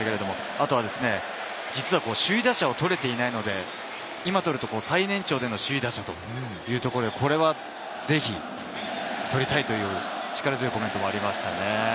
あと実は首位打者を取れていないので、今取ると最年長での首位打者というところで、これはぜひ取りたいという力強いコメントもありました。